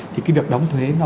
thì cái việc đóng thuế